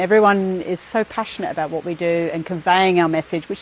semua orang sangat bersemangat dengan apa yang kita lakukan